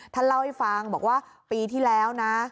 ท่านเล่าให้ฟังบอกว่าปีที่แล้วนะ